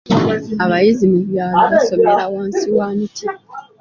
Abayizi mu byalo basomera wansi wa miti.